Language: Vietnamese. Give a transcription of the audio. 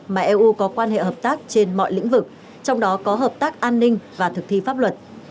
mà eu có quan hệ hợp tác trên mọi lĩnh vực trong đó có hợp tác an ninh và thực thi pháp luật